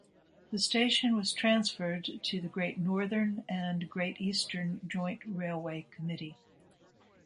The station was transferred to the Great Northern and Great Eastern Joint Railway committee.